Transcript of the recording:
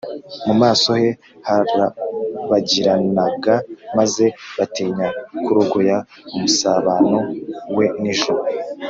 . Mu maso he hararabagiranaga, maze batinya kurogoya umusabano We n’ijuru